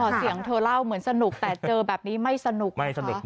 เสียงเธอเล่าเหมือนสนุกแต่เจอแบบนี้ไม่สนุกไม่สนุก